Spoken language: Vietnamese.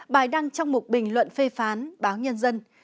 bài đăng trong một bình luận phê phán báo nhân dân